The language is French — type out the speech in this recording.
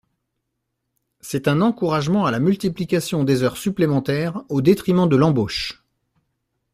C’est un encouragement à la multiplication des heures supplémentaires au détriment de l’embauche.